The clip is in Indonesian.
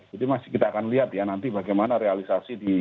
jadi masih kita akan lihat ya nanti bagaimana itu akan berjalan